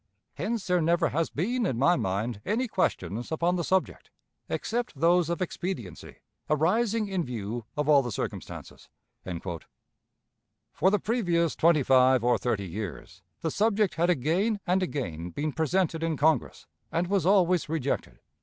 Hence there never has been in my mind any questions upon the subject, except those of expediency, arising in view of all the circumstances." For the previous twenty five or thirty years the subject had again and again been presented in Congress, and was always rejected.